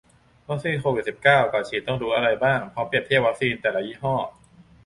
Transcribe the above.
วัคซีนโควิด สิบเก้า ก่อนฉีดต้องรู้อะไรบ้าง พร้อมเปรียบเทียบวัคซีนแต่ละยี่ห้อ